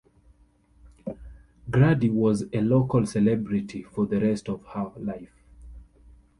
Grady was a local celebrity for the rest of her life.